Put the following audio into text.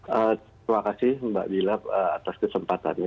terima kasih mbak bila atas kesempatannya